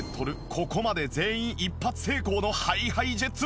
ここまで全員１発成功のＨｉＨｉＪｅｔｓ！